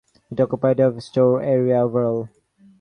It occupied of store area overall.